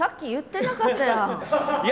いや！